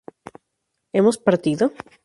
¿hemos partido?